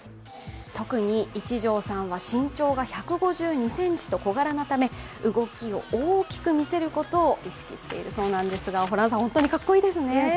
特に一条さんは身長が１５２ｃｍと小柄なため動きを大きく見せることを意識してイルそうなんですが、本当にかっこいいですね。